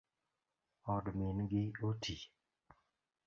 Od min gi otii